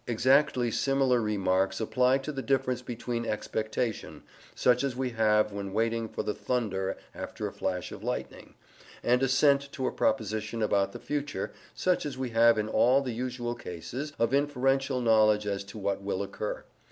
Exactly similar remarks apply to the difference between expectation, such as we have when waiting for the thunder after a flash of lightning, and assent to a proposition about the future, such as we have in all the usual cases of inferential knowledge as to what will occur.